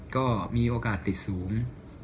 ก็มีโอกาสติดสูง